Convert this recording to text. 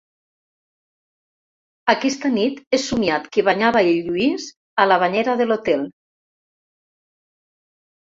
Aquesta nit he somiat que banyava el Lluís a la banyera de l'hotel.